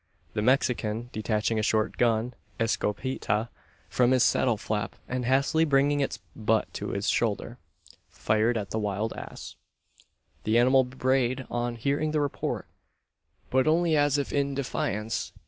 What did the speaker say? The Mexican, detaching a short gun "escopeta" from his saddle flap, and hastily bringing its butt to his shoulder, fired at the wild ass. The animal brayed on hearing the report; but only as if in defiance.